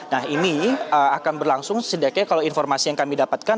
nah ini akan berlangsung setidaknya kalau informasi yang kami dapatkan